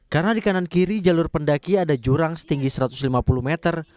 karena di kanan kiri jalur pendaki ada jurang setinggi satu ratus lima puluh meter